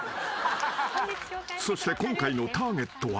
［そして今回のターゲットは］